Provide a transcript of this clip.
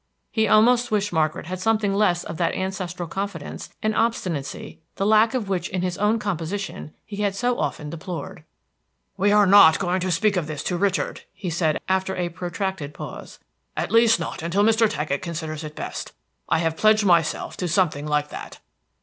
He almost wished Margaret had something less of that ancestral confidence and obstinacy the lack of which in his own composition he had so often deplored. "We are not to speak of this to Richard," he said, after a protracted pause; "at least not until Mr. Taggett considers it best. I have pledged myself to something like that."